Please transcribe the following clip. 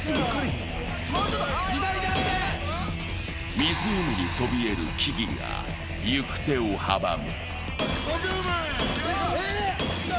湖にそびえる木々が行く手をはばむ。